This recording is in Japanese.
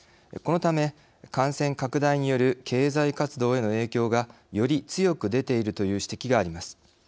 このため、感染拡大による経済活動への影響がより強く出ているという指摘があります。